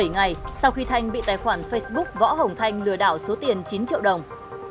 bảy ngày sau khi thanh bị tài khoản facebook võ hồng thanh lừa đảo số tiền chín triệu đồng